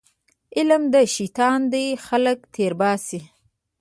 علم شیطان دی خلک تېرباسي